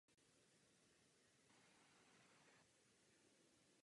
Před sestavením účetní závěrky je třeba k poslednímu dni účetního období uzavřít účetní knihy.